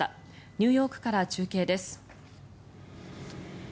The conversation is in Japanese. ニューヨークから中継です。